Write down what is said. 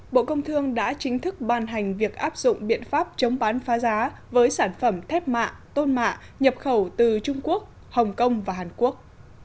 bộ công thương đã chính thức ban hành việc áp dụng biện pháp chống bán phá giá với sản phẩm thép mạ tôn mạ nhập khẩu từ trung quốc hồng kông và hàn quốc